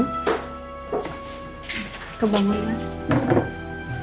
aku bangun mas